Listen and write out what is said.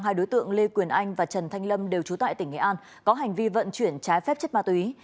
hai đối tượng lê quyền anh và trần thanh lâm đều trú tại tỉnh nghệ an có hành vi vận chuyển trái phép chất ma túy